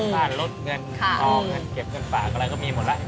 บ้านลดเงินต่อเงินเก็บเงินฝากอะไรก็มีหมดแล้ว